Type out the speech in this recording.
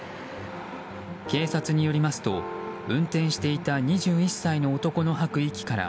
警察によりますと運転していた２１歳の男の吐く息から